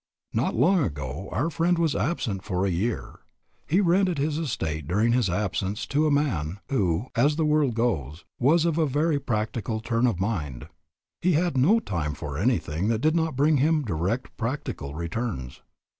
Not long ago our friend was absent for a year. He rented his estate during his absence to a man who, as the world goes, was of a very "practical" turn of mind. He had no time for anything that did not bring him direct "practical" returns.